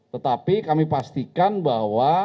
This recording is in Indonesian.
tetapi kami pastikan bahwa